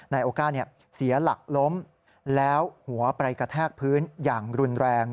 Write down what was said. โอก้าเสียหลักล้มแล้วหัวไปกระแทกพื้นอย่างรุนแรง